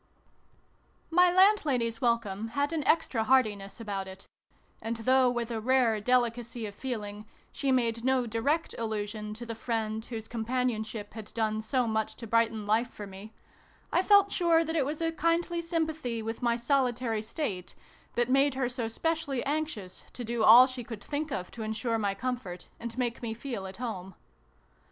MY landlady's welcome had an extra hearti ness about it : and though, with a rare delicacy of feeling, she made no direct allusion to the friend whose companionship had done so much to brighten life for me, I felt sure that it was a kindly sympathy with my solitary state that made her so specially anxious to do all she could think of to ensure my comfort, and make me feel at home.